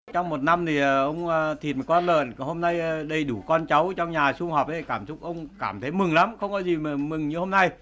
trong một năm thì ông thịt một con lợn hôm nay đầy đủ con cháu trong nhà xung họp cảm xúc ông cảm thấy mừng lắm không có gì mà mừng như hôm nay